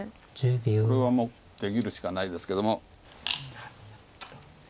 これはもう出切るしかないですけども。